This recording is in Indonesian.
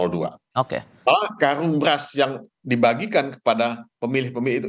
bahwa karung beras yang dibagikan kepada pemilih pemilih itu